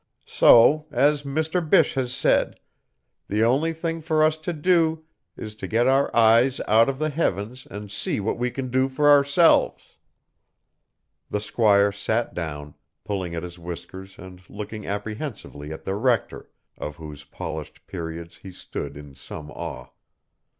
So, as Mr. Bysshe has said, the only thing for us to do is to get our eyes out of the heavens and see what we can do for ourselves." The squire sat down, pulling at his whiskers and looking apprehensively at the rector, of whose polished periods he stood in some awe.